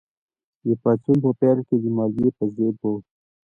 پاڅون په پیل کې د مالیې په ضد و.